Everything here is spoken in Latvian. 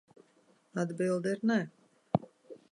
Atbilde ir nē.